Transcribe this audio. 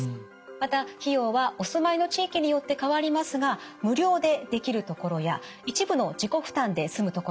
また費用はお住まいの地域によって変わりますが無料でできるところや一部の自己負担で済むところが多いです。